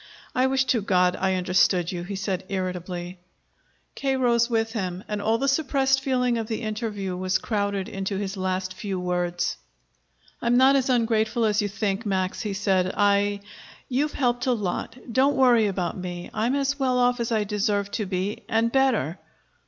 "I wish to God I understood you!" he said irritably. K. rose with him, and all the suppressed feeling of the interview was crowded into his last few words. "I'm not as ungrateful as you think, Max," he said. "I you've helped a lot. Don't worry about me. I'm as well off as I deserve to be, and better.